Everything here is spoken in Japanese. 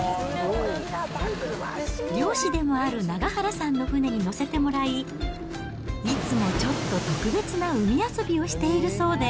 漁師でもある永原さんの船に乗せてもらい、いつもちょっと特別な海遊びをしているそうで。